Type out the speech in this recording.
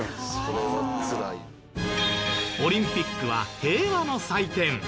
オリンピックは平和の祭典。